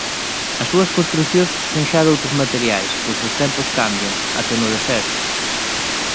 As súas construcións son xa doutros materiais, pois os tempos cambian, até no deserto.